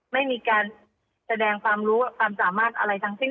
ไม่มีการแสดงความรู้ความสามารถอะไรทั้งสิ้น